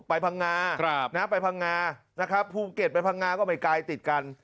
ไปภังงาครับน่ะไปภังงานะครับภูเกษฐภังงาก็ไม่กายติดกัน